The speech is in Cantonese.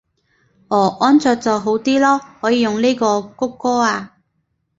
哦安卓就好啲囉，可以用呢個穀歌啊